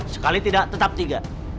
sekali tidak tetap tiga